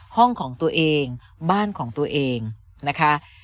ของตัวเองบ้านของตัวเองนะคะ